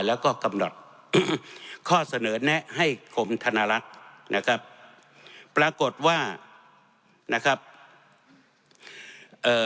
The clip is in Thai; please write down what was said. แล้วก็กำหนดข้อเสนอแนะให้กรมธนรัฐนะครับปรากฏว่านะครับเอ่อ